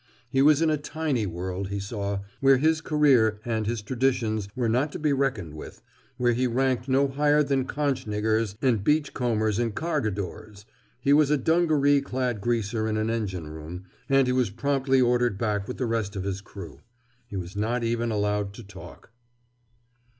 He was in a tiny world, he saw, where his career and his traditions were not to be reckoned with, where he ranked no higher than conch niggers and beach combers and cargadores. He was a dungaree clad greaser in an engine room, and he was promptly ordered back with the rest of his crew. He was not even allowed to talk.